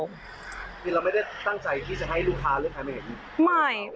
คือเราไม่ได้ตั้งใจที่จะให้ลูกค้าหรือใครไม่เห็น